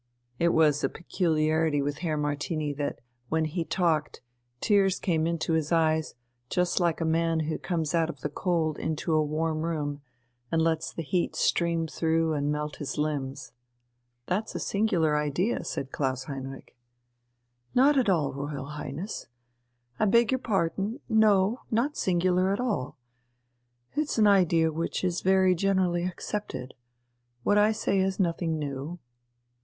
It was a peculiarity with Herr Martini that when he talked tears came into his eyes just like a man who comes out of the cold into a warm room and lets the heat stream through and melt his limbs. "That's a singular idea," said Klaus Heinrich. "Not at all, Royal Highness. I beg your pardon, no, not singular at all. It's an idea which is very generally accepted. What I say is nothing new."